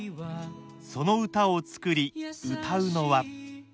その歌を作り歌うのは。